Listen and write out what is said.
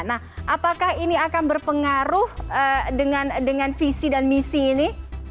nah apakah ini akan berpengaruh dengan visi dan misi ini